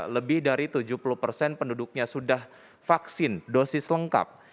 lebih dari tujuh puluh persen penduduknya sudah vaksin dosis lengkap